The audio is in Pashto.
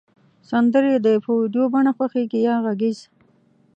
سندری د په ویډیو بڼه خوښیږی یا غږیز